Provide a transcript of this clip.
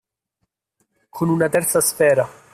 Con una terza sfera